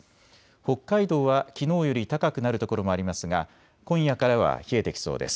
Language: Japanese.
北海道はきのうより高くなる所もありますが今夜からは冷えてきそうです。